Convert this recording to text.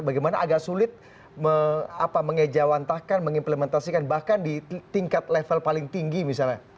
bagaimana agak sulit mengejawantahkan mengimplementasikan bahkan di tingkat level paling tinggi misalnya